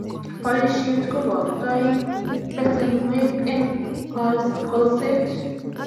boisien kobotoik besenwek eng' kolset